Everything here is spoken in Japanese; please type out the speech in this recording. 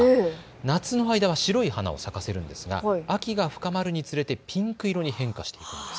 夏の間は白い花を咲かせますが秋が深まるにつれてピンク色に変化するそうです。